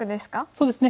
そうですね